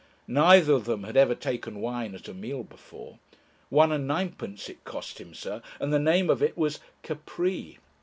Neither of them had ever taken wine at a meal before. One and ninepence it cost him, Sir, and the name of it was Capri!